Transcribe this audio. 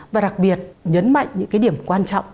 và đặc biệt nhấn mạnh những cái điểm quan trọng